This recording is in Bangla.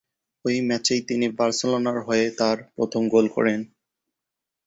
ওই ম্যাচেই তিনি বার্সেলোনার হয়ে তার প্রথম গোল করেন।